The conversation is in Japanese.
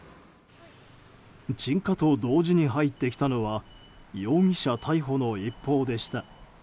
鎮火と同時に入ってきたのは容疑者逮捕の一報でした。